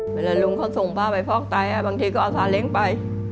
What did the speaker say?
เวลาลุงเขาส่งผ้าไปฟอกไตบางทีก็เอาซาเล้งไป